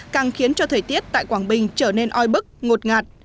càng khiến cho thời tiết tại quảng bình trở nên oi bức ngột ngạt